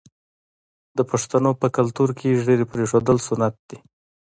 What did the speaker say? د پښتنو په کلتور کې د ږیرې پریښودل سنت دي.